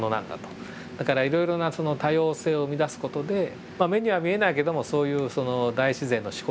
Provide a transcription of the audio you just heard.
だからいろいろな多様性を生み出す事でまあ目には見えないけどもそういう大自然の思考